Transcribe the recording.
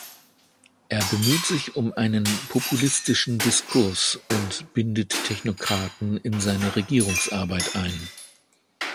Er bemüht sich um einen „populistischen Diskurs“ und bindet Technokraten in seine Regierungsarbeit ein.